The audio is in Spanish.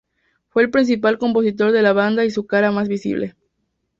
Fue el principal compositor de la banda y su cara más visible.